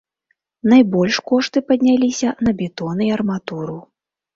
Найбольш кошты падняліся на бетон і арматуру.